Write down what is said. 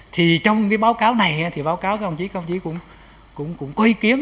thì trong cái báo cáo này thì báo cáo các ông chí cũng có ý kiến